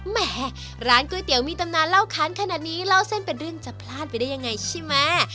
แหมร้านก๋วยเตี๋ยวมีตำนานเล่าค้านขนาดนี้เล่าเส้นเป็นเรื่องจะพลาดไปได้ยังไงใช่ไหม